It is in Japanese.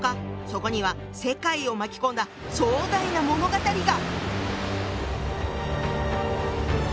そこには世界を巻き込んだ壮大な物語が！